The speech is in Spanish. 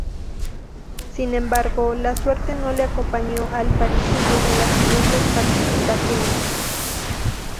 Sin embargo, la suerte no le acompañó al parisino en las siguientes participaciones.